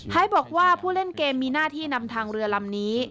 บอกว่าผู้เล่นเกมมีหน้าที่นำทางเรือลำนี้